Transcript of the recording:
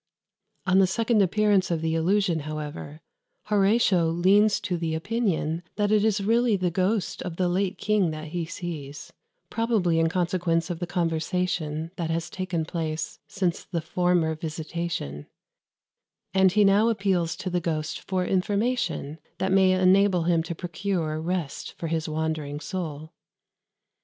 " On the second appearance of the illusion, however, Horatio leans to the opinion that it is really the ghost of the late king that he sees, probably in consequence of the conversation that has taken place since the former visitation; and he now appeals to the ghost for information that may enable him to procure rest for his wandering soul.